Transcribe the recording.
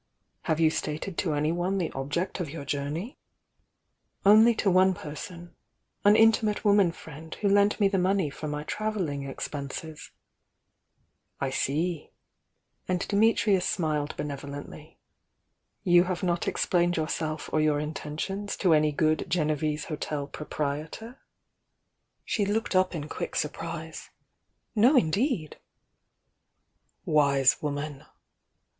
"Have you stated to anyone the object of your journey?" "Only to one person — an intimate woman friend who lent me the money for my travelling expenses." "I see!" And Dimitrius smiled benevolently. "You have not explained yourself or your intentions to any good Genevese hotel proprietor?" lU(i THE YOUxXG DIANA She looked up in quick surprise. "No, indeed!" "Wise woman!"